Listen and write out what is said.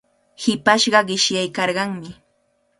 Hipashqa qishyaykarqanmi.